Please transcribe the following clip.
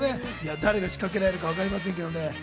誰が仕掛けられるかわかりませんけれども。